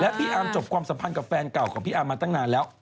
พี่อาร์มจบความสัมพันธ์กับแฟนเก่าของพี่อาร์มมาตั้งนานแล้ว